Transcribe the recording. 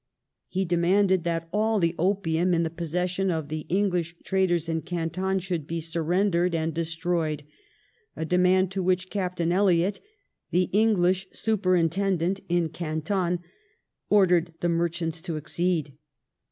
He demanded that all the opium in the possession of the English traders in Can ton should be sun endered and destroyed, a demand to which Cap tain Elliot — the English Superintendent in Canton — ordered the merchants to accede.